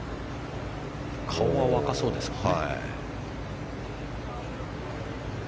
顔は若そうですね。